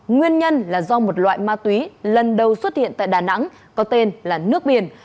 nguyên nhân là do một loại ma túy lần đầu xuất hiện tại đà nẵng có tên là nước biển